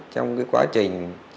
trong quá trình